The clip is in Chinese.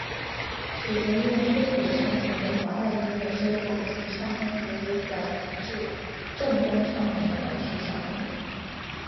此前因为飞碟唱片被华纳音乐收购及唱片合约转移至正东唱片而去向不明。